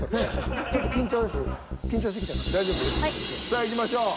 さあいきましょう。